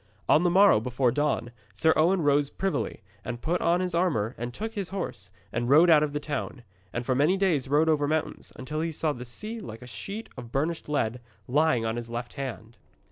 On the morrow, before dawn, Sir Owen rose privily, and put on his armour and took his horse, and rode out of the town, and for many days rode over mountains, until he saw the sea like a sheet of burnished lead lying on his left hand.